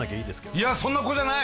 いやそんな子じゃない！